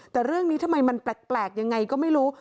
แต่เรื่องนี้ทำไมมันแปลกยังไงก็ไม่รู้